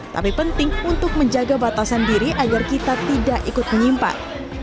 tapi penting untuk menjaga batasan diri agar kita tidak ikut menyimpan